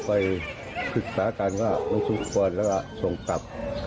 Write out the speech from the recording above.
ไปศึกษาการว่าต้องควรแล้วก็ส่งกลับ